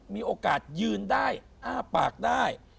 มีโอกาสยืนได้อ้าปากได้